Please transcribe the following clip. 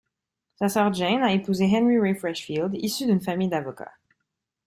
Sa sœur Jane a épousé Henry Ray Freshfield, issu d'une famille d'avocats.